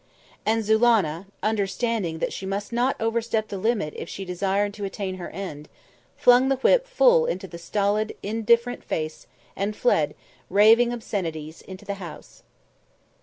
And Zulannah, understanding that she must not overstep the limit if she desired to attain her end, flung the whip full into the stolid, indifferent face, and fled, raving obscenities, into the house.